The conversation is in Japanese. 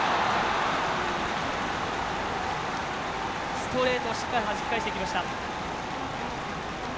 ストレートをしっかりはじき返していきました。